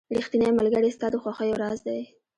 • ریښتینی ملګری ستا د خوښیو راز دی.